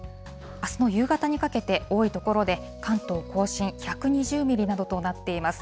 あすの夕方にかけて、多い所で、関東甲信１２０ミリなどとなっています。